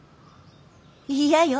嫌よ。